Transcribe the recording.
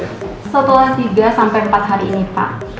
setelah tiga sampai empat hari ini pak